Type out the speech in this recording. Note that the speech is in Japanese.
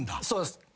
そうです。